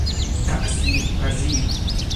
تأثیر پذیر